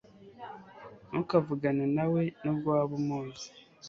Ntukavugane na we nubwo waba umuzi